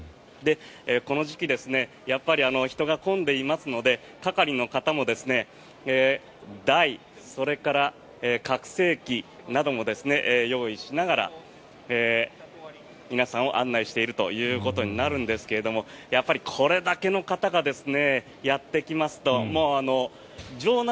この時期やっぱり、人が混んでいますので係りの方も台、拡声器なども用意しながら皆さんを案内しているということになるんですがこれだけの方がやってきますともう場内